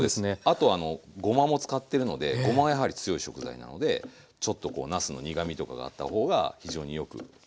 あとごまも使ってるのでごまはやはり強い食材なのでちょっとこうなすの苦みとかがあった方が非常によくなる。